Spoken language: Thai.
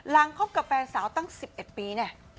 ล้างครอบครัวแฟนสาวตั้ง๑๑ปี